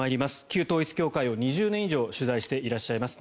旧統一教会を２０年以上取材していらっしゃいます